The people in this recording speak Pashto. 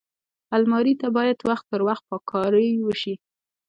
الماري ته باید وخت پر وخت پاک کاری وشي